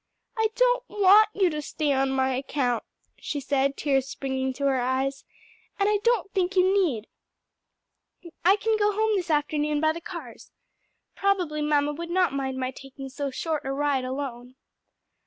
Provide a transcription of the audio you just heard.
"I don't want you to stay on my account," she said, tears springing to her eyes, "and I don't think you need. I can go home this afternoon by the cars. Probably mamma would not mind my taking so short a ride alone."